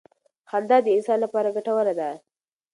خندا د انسان لپاره ګټوره ده.